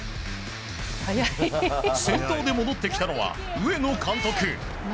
先頭で戻ってきたのは上野監督。